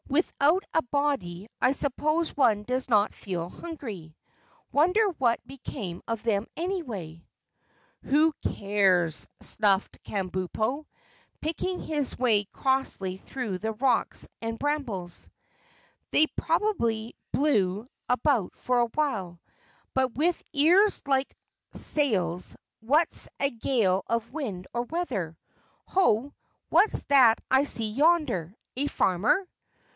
"Without a body, I suppose one does not feel hungry. Wonder what became of them, anyway?" "Who cares?" sniffed Kabumpo, picking his way crossly through the rocks and brambles. "They probably blew about for a while, but with ears like sails, what's a gale of wind or weather? Ho! what's that I see yonder, a farmer?"